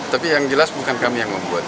tapi yang jelas bukan kami yang membuat